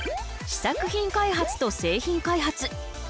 試作品開発と製品開発。